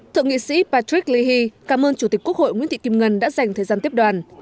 thượng nghị sĩ patrick leahy cảm ơn chủ tịch quốc hội nguyễn thị kim ngân đã dành thời gian tiếp đoàn